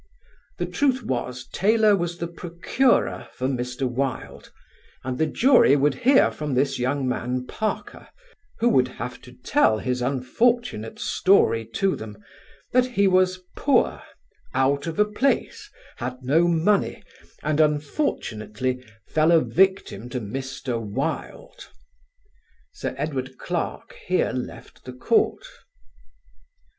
The truth was Taylor was the procurer for Mr. Wilde and the jury would hear from this young man Parker, who would have to tell his unfortunate story to them, that he was poor, out of a place, had no money, and unfortunately fell a victim to Mr. Wilde. (Sir Edward Clarke here left the court.)